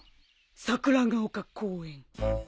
桜ヶ丘公園。